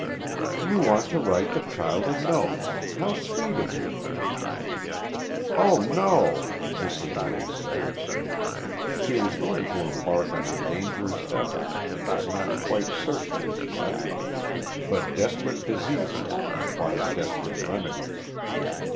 "You want to write the child a note. How sweet of you!" "Oh, no," Mrs. May said. She was going to embark on a dangerous effort and was not quite certain as yet. But desperate diseases require desperate remedies.